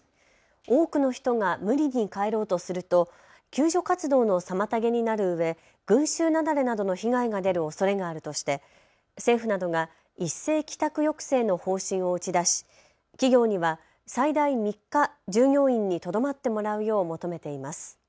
多くの人が無理に帰ろうとすると救助活動の妨げになるうえ群集雪崩などの被害が出るおそれがあるとして政府などが一斉帰宅抑制の方針を打ち出し企業には最大３日、従業員にとどまってもらうよう求めています。